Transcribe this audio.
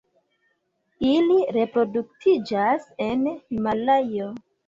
Ili reproduktiĝas en Himalajo.